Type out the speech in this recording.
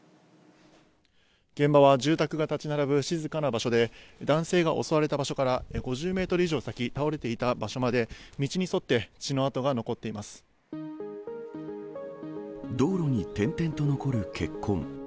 現場は住宅が建ち並ぶ静かな場所で、男性が襲われた場所から、５０メートル以上先、倒れていた場所まで、道に沿って血の跡が残道路に点々と残る血痕。